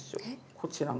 こちらの。